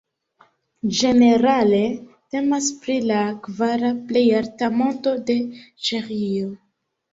Ĝenerale temas pri la kvara plej alta monto de Ĉeĥio.